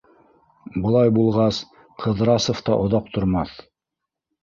Былай булғас, Ҡыҙрасов та оҙаҡ тормаҫ...